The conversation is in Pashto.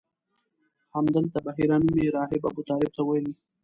همدلته بحیره نومي راهب ابوطالب ته ویلي.